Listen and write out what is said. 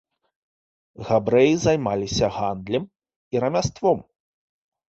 Габрэі займаліся гандлем і рамяством.